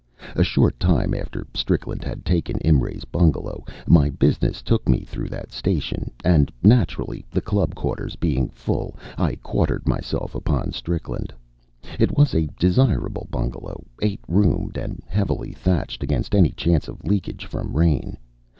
A short time after Strickland had taken Imray's bungalow, my business took me through that station, and naturally, the club quarters being full, I quartered myself upon Strickland. It was a desirable bungalow, eight roomed, and heavily thatched against any chance of leakage from rain.